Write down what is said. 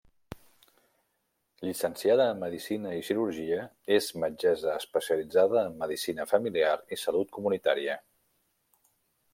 Llicenciada en medicina i cirurgia, és metgessa especialitzada en medicina familiar i salut comunitària.